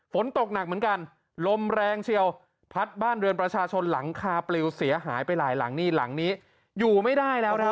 ฝนตกหนักเหมือนกันลมแรงเชียวพัดบ้านเรือนประชาชนหลังคาปลิวเสียหายไปหลายหลังนี่หลังนี้อยู่ไม่ได้แล้วนะครับ